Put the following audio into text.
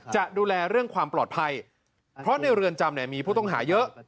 จะดูแลเรื่องความปลอดภัยเพราะในเรือนจำเนี่ยมีผู้ต้องหาเยอะ